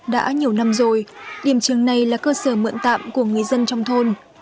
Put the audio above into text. đã nhiều năm rồi điểm trường này là cơ sở mượn tạm của người dân trong thôn